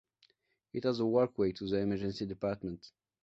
It has a walkway to the emergency department.